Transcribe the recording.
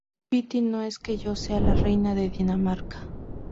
piti, no es que yo sea la reina de Dinamarca